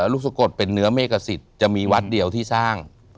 ลูกสะกดเป็นเนื้อเมกสิทธิ์จะมีวัดเดียวที่สร้าง